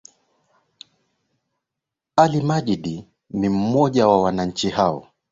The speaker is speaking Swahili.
ali majdi ni mmoja wa wananchi hao